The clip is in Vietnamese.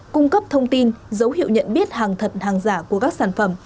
cung cấp thông tin dấu hiệu nhận biết hàng thật hàng giả của các sản phẩm